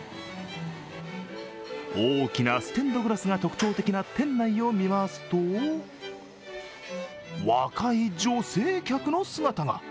大きなステンドグラスが特徴的な店内を見回すと若い女性客の姿が。